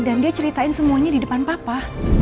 dan dia ceritain semuanya di depan papa